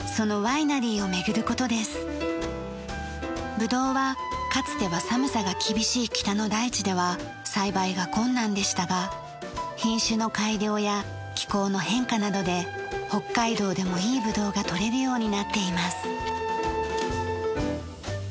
ぶどうはかつては寒さが厳しい北の大地では栽培が困難でしたが品種の改良や気候の変化などで北海道でもいいぶどうがとれるようになっています。